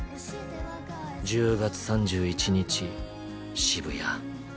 １０月３１日渋谷。